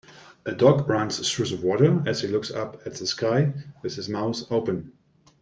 A dog runs through the water as he looks up at the sky with his mouth open.